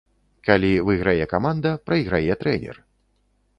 Калі выйграе каманда, прайграе трэнер.